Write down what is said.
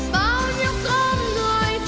bao nhiêu con người